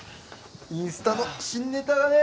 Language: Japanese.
インスタの新ネタがね